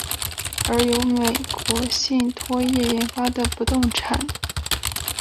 而由美国信托业研发的不动产投资信托成为了现今全球信托业的主要业务。